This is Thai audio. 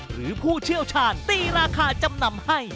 ผู้เชี่ยวชาญตีราคาจำนำให้